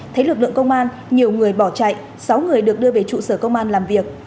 thấy lực lượng công an nhiều người bỏ chạy sáu người được đưa về trụ sở công an làm việc